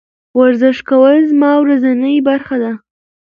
ورزش کول زما ورځنۍ برخه ده.